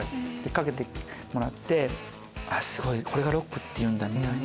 かけてもらってすごいこれがロックっていうんだ！